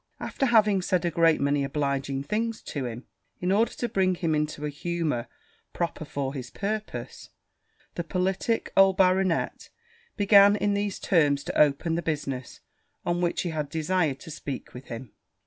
After having said a great many obliging things to him, in order to bring him into a humour proper for his purpose, the politick old baronet began in these terms to open the business on which he had desired to speak with him.